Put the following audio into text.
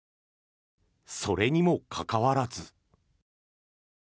それにもかかわらず。